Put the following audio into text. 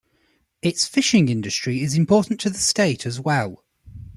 Its fishing industry is important to the state as well.